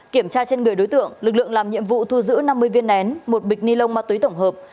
kiểm tra trên người đối tượng lực lượng làm nhiệm vụ thu giữ năm mươi viên nén một bịch ni lông ma túy tổng hợp